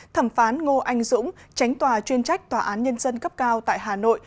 thẩm phán ngô anh dũng tránh tòa chuyên trách tòa án nhân dân cấp cao tại hà nội